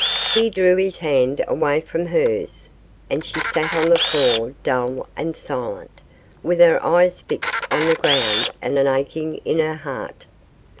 He drew his hand away from hers, and she sat on the floor dull and silent, with her eyes fixed on the ground and an aching in her heart.